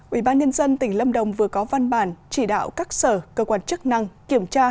ubnd tỉnh lâm đồng vừa có văn bản chỉ đạo các sở cơ quan chức năng kiểm tra